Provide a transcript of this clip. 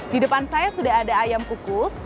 di depan saya sudah ada ayam kukus